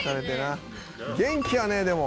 「元気やねでも」